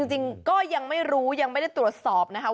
จริงก็ยังไม่รู้ยังไม่ได้ตรวจสอบนะคะ